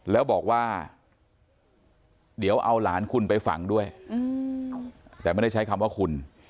แล้วบอกว่าเดี๋ยวเอาหลานคุณไปฝังด้วยแต่ไม่ได้ใช้คำว่าคุณ